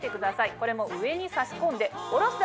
これも上に差し込んで下ろすだけです。